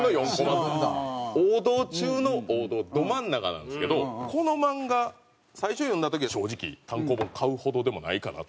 王道中の王道ど真ん中なんですけどこの漫画最初読んだ時は正直単行本買うほどでもないかな。